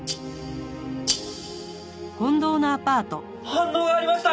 反応がありました！